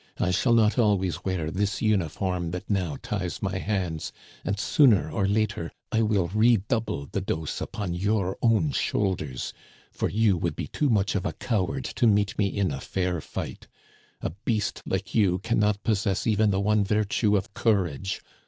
I shall not alwaysi wear this uniform that now ties my hands, and sooner or later I will redouble the dose upon your own shoulders, for you would be too much of a coward to meet me in fair fight. A beast like you can not possess even the one virtue of courage.